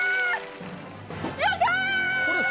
よっしゃ！